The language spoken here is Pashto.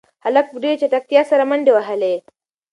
هلک په ډېرې چټکتیا سره منډې وهلې.